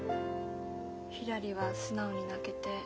ひらりは素直に泣けて。